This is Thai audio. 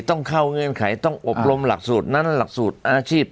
ต้องเข้าเงื่อนไขต้องอบรมหลักสูตรนั้นหลักสูตรอาชีพ